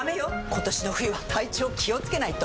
今年の冬は体調気をつけないと！